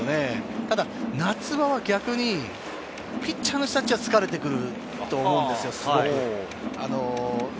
ただ夏場は逆にピッチャーが疲れてくると思うんですよ。